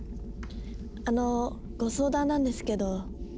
あのご相談なんですけど。